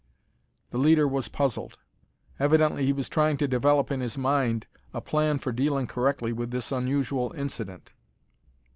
The leader was puzzled. Evidently he was trying to develop in his mind a plan for dealing correctly with this unusual incident.